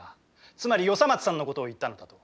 つまり与三松さんの事を言ったのだと。